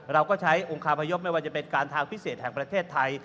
เราก็ใช้องคาพยพไม่ว่าจะเป็นการทางพิเศษแห่งประเทศไทย